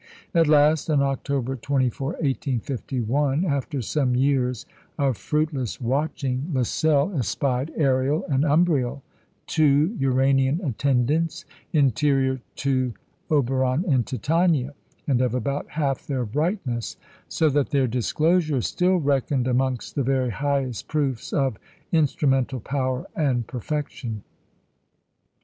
At last, on October 24, 1851, after some years of fruitless watching, Lassell espied "Ariel" and "Umbriel," two Uranian attendants, interior to Oberon and Titania, and of about half their brightness; so that their disclosure is still reckoned amongst the very highest proofs of instrumental power and perfection.